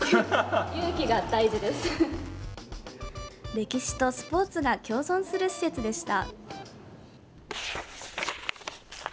歴史とスポーツが共存する施設でした。